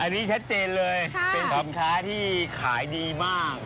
อันนี้ชัดเจนเลยเป็นสินค้าที่ขายดีมาก